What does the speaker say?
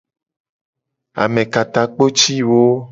Amekatakpotiwo.